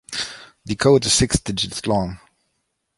The code is six digits long.